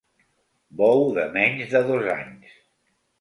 Bou de menys de dos anys.